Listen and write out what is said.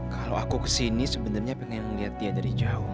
kalau aku kesini sebenarnya pengen lihat dia dari jauh